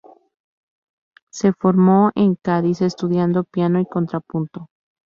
Se formó en Cádiz estudiando piano y contrapunto.